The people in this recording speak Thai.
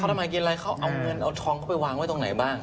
เข้าทำมากินอะไรเขาเอาเงินเอาท้องอยู่ไปวางไหนบ้าง